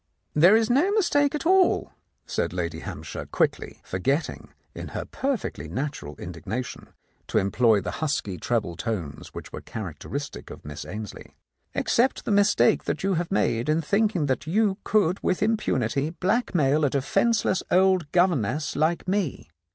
"There is no mistake at all," said Lady Hamp shire quickly, forgetting, in her perfectly natural indignation, to employ the husky treble tones which were characteristic of Miss Ainslie, "except the mis take you have made in thinking that you could with impunity blackmail a defenceless old governess like me.